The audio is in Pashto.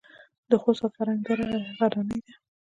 د خوست او فرنګ دره غرنۍ ده